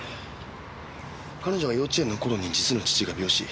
彼女が幼稚園の頃に実の父が病死。